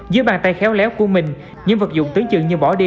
dưới bàn tay khéo léo của mình những vật dụng tướng chừng như bỏ đi